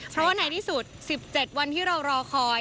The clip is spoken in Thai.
เพราะว่าในที่สุด๑๗วันที่เรารอคอย